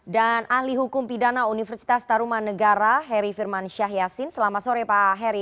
dan ahli hukum pidana universitas taruman negara heri firman syah yassin selamat sore pak heri